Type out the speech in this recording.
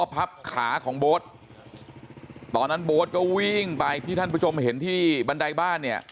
พรับขาของโบ๊ทตอนนั้นพ่อจะวิ่งไปแค่ที่ท่านผู้ชมเห็นที่บัน